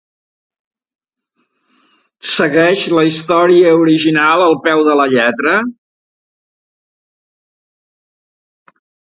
Segueix la història original al peu de la lletra?